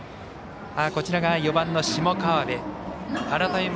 こちらが４番の下川邊。